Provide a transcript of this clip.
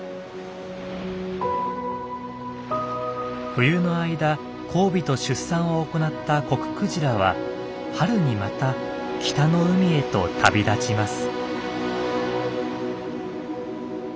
冬の間交尾と出産を行ったコククジラは春にまた北の海へと旅立ちます。